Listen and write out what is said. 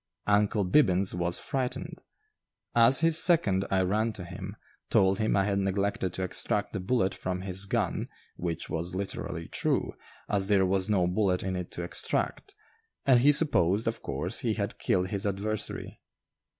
"Uncle Bibbins" was frightened. As his second, I ran to him, told him I had neglected to extract the bullet from his gun (which was literally true, as there was no bullet in it to extract), and he supposed, of course, he had killed his adversary.